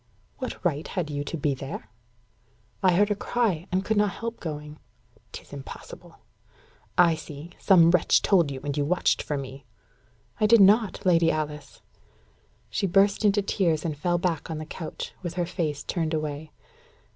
"What right had you to be there?" "I heard a cry, and could not help going." "Tis impossible. I see. Some wretch told you, and you watched for me." "I did not, Lady Alice." She burst into tears, and fell back on the couch, with her face turned away.